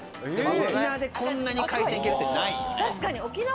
沖縄でこんな海鮮いけるってないよね。